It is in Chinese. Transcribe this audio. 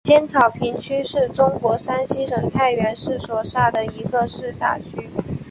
尖草坪区是中国山西省太原市所辖的一个市辖区。